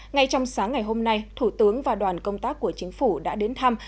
ngay trong sáng ngày hôm nay thủ tướng và đoàn công tác của chính phủ đã đến thăm